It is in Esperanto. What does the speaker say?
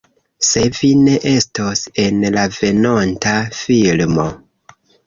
Se vi ne estos en la venonta filmo